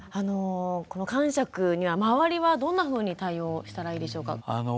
このかんしゃくには周りはどんなふうに対応したらいいでしょうか。